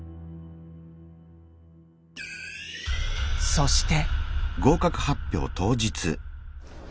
そして。